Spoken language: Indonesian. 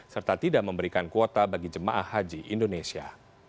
serta tidak memberikan kuota bagi jemaah haji indonesia